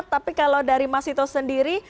tapi kalau dari mas sito sendiri